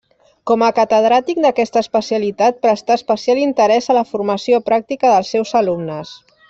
Com a catedràtic d'aquesta especialitat, prestà especial interès a la formació pràctica dels seus alumnes.